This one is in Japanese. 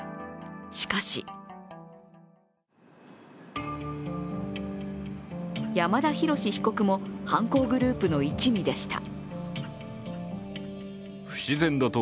しかし、山田博被告も犯行グループの一味でした。